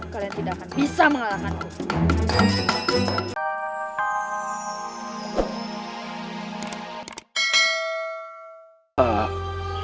kalian tidak akan bisa mengalahkanku